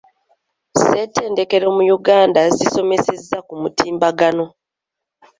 Ssettendekero mu Uganda zisomeseza ku mutimbagano.